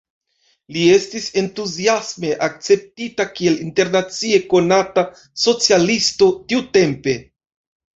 Li estis entuziasme akceptita, kiel internacie konata socialisto tiutempe.